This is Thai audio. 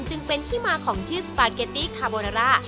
จึงเป็นที่มาของชื่อสปาเกตตี้คาโบนาร่า